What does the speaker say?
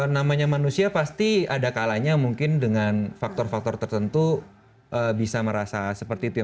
namanya manusia pasti ada kalanya mungkin dengan faktor faktor tertentu bisa merasa seperti itu ya